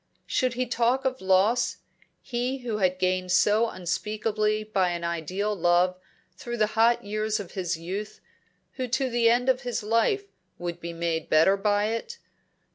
Should he talk of loss he who had gained so unspeakably by an ideal love through the hot years of his youth, who to the end of his life would be made better by it?